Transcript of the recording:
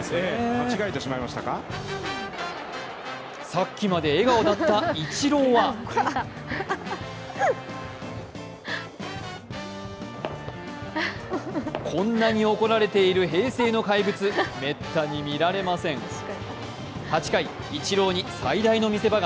さっきまで笑顔だったイチローはこんなに怒られている平成の怪物、めったに見られません８回、イチローに最大の見せ場。